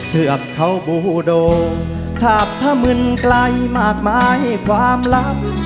เทือกเขาบูโดทาบถ้ามึนไกลมากมายความลับ